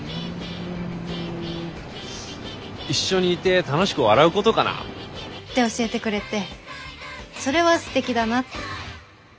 うん一緒にいて楽しく笑うことかな。って教えてくれてそれはすてきだなって。